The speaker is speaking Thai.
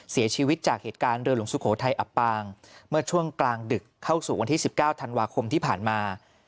เสียชีวิตจากเหตุการณ์เรือหลวงสุโขทัยอับปางเมื่อช่วงกลางดึกเข้าสู่วันที่๑๙ธันวาคมที่ผ่านมา